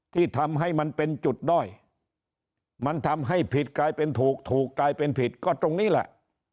ที่ทำให้มันเป็นจุดด้อยมันทำให้ผิดกลายเป็นถูกถูกกลายเป็นผิดก็ตรงนี้แหละ